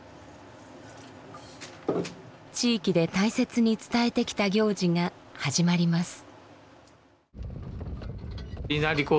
地域で大切に伝えてきた行事が始まります。